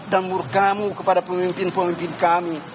dan murkamu kepada pemimpin pemimpin kami